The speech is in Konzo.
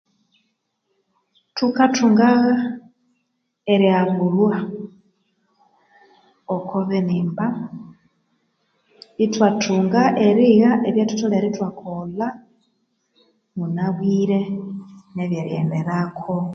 Thukathunga'gha erihabulhwa okubinimba, ithwathunga erigha ebyathutholere ithwakolha mumabwire nebyeri ghenderako